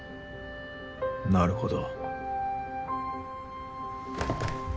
なるほど。